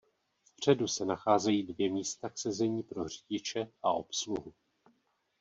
Vpředu se nacházejí dvě místa k sezení pro řidiče a obsluhu.